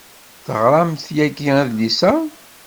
Teɣramt yagi adlis-a.